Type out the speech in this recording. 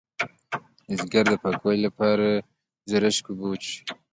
د ځیګر د پاکوالي لپاره د زرشک اوبه وڅښئ